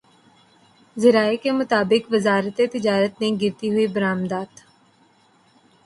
ذرائع کے مطابق وزارت تجارت نے گرتی ہوئی برآمدات